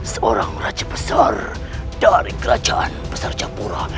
seorang raja besar dari kerajaan besar japura